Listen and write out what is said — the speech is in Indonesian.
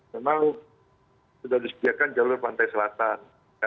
memang sudah disediakan jalur pantai selatan